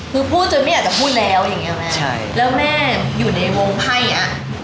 คือพูดจนไม่อยากจะพูดแล้วอย่างเงี้แม่ใช่แล้วแม่อยู่ในวงไพ่อ่ะ